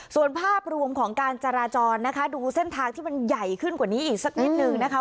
ส่วนภาพรวมของการจราจรนะคะดูเส้นทางที่มันใหญ่ขึ้นกว่านี้อีกสักนิดนึงนะคะ